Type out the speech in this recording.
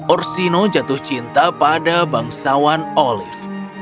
orsino jatuh cinta pada bang sawan olive